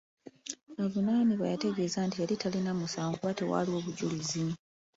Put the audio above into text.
Avunaanibwa yategeeza nti yali talina musango kubanga tewaaliwo bujulizi.